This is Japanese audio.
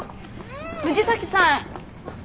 藤崎さん！